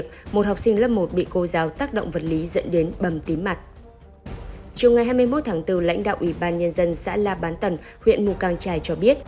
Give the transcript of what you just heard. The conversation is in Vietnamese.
chiều ngày hai mươi một tháng bốn lãnh đạo ủy ban nhân dân xã la bán tần huyện mù căng trải cho biết